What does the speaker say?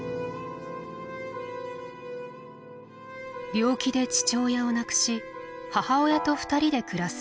病気で父親を亡くし母親と２人で暮らすまなみさん。